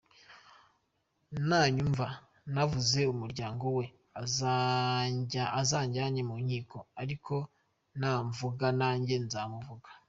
Nanyumva navuze umuryango we azanjyanye mu nkiko, ariko namvuga nanjye nzamuvuga.